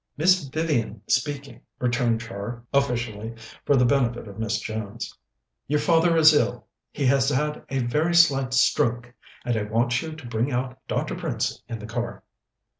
"Miss Vivian speaking," returned Char officially, for the benefit of Miss Jones. "Your father is ill. He has had a very slight stroke, and I want you to bring out Dr. Prince in the car."